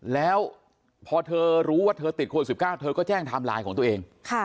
แล้วพอเธอรู้ว่าเธอติดโควิด๑๙เธอก็แจ้งไทม์ไลน์ของตัวเอง